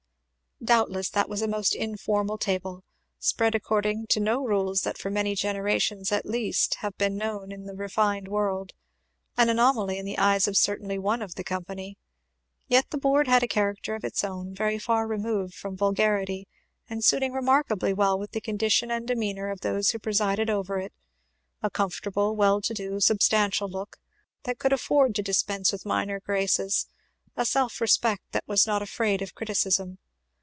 Doubtless that was a most informal table, spread according to no rules that for many generations at least have been known in the refined world; an anomaly in the eyes of certainly one of the company. Yet the board had a character of its own, very far removed from vulgarity, and suiting remarkably well with the condition and demeanour of those who presided over it a comfortable, well to do, substantial look, that could afford to dispense with minor graces; a self respect that was not afraid of criticism.